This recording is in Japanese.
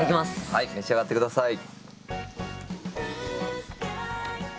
はい召し上がって下さい。